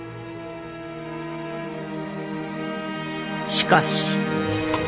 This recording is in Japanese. しかし。